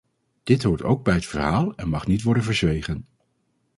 Dit hoort ook bij het verhaal en mag niet worden verzwegen.